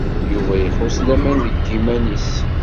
Yuba ixuṣṣ laman deg yiman-nnes.